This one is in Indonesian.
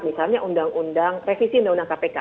misalnya undang undang revisi undang undang kpk